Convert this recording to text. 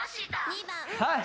はい